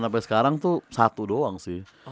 sampai sekarang tuh satu doang sih